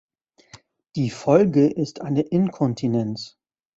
Die Folge ist eine Inkontinenz.